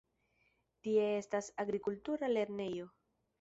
Tie estas agrikultura lernejo.